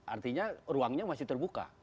artinya ruangnya masih terbuka